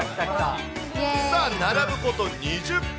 さあ、並ぶこと２０分。